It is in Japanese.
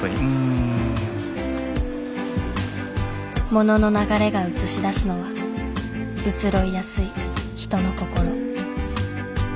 物の流れが映し出すのは移ろいやすい人の心。